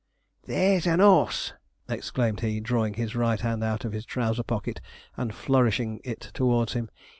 'There's an 'orse!' exclaimed he, drawing his right hand out of his trouser pocket, and flourishing it towards him.